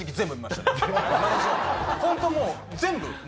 ホントもう全部。